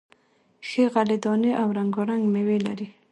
ښې غلې دانې او رنگا رنگ میوې لري،